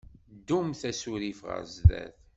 Ddumt asurif ɣer sdat.